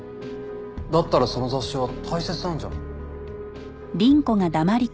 だったらその雑誌は大切なんじゃ？